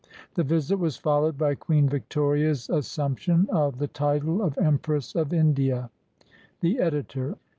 This visit was followed by Queen Victoria's assumption of the title of Empress of India. The Editor.